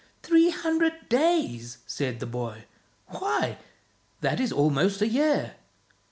"Three hundred days!" said the boy. "Why, that is almost a year."